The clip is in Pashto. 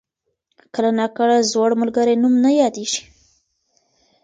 کله ناکله زوړ ملګری نوم نه یادېږي.